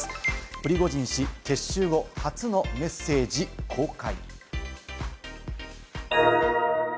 プリゴジン氏、撤収後、初のメッセージ公開。